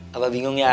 tetep bingung ya